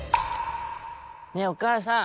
「ねえおかあさん